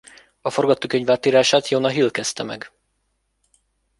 A forgatókönyv átírását Jonah Hill kezdte meg.